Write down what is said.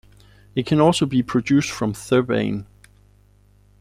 It can also be produced from thebaine.